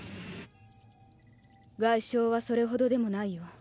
外傷はそれほどでもないよ。